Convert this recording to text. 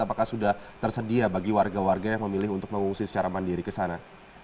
apakah sudah tersedia bagi warga warga yang memilih untuk mengungsi secara mandiri ke sana